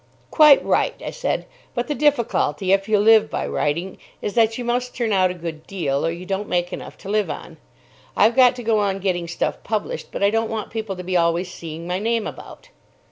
"Quite right," I said; "but the difficulty, if you live by writing, is that you must turn out a good deal, or you don't make enough to live on. I've got to go on getting stuff published, but I don't want people to be always seeing my name about."